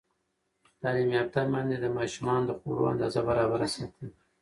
تعلیم یافته میندې د ماشومانو د خوړو اندازه برابره ساتي.